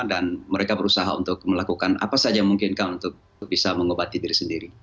dan mereka berusaha untuk melakukan apa saja yang mungkin untuk bisa mengobati diri sendiri